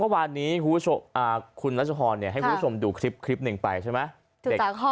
วันนี้คุณลัชฝอร์เนี่ยให้คุณผู้ชมดูคลิปหนึ่งไปใช่ไหม